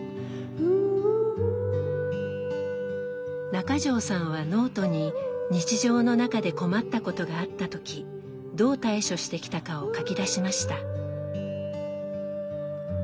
中条さんはノートに日常の中で困ったことがあった時どう対処してきたかを書き出しました。